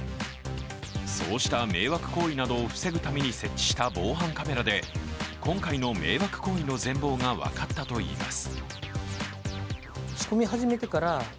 そうした迷惑行為などを防ぐために設置した防犯カメラで今回の迷惑行為の全貌が分かったといいます。